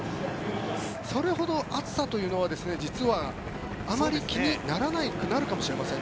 それほど暑さというのは実はあまり気にならなくなるかもしれません。